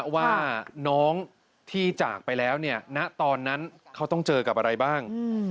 ว่าน้องที่จากไปแล้วเนี่ยณตอนนั้นเขาต้องเจอกับอะไรบ้าง